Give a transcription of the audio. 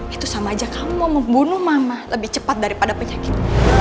itu sama aja kamu membunuh mama lebih cepat daripada penyakit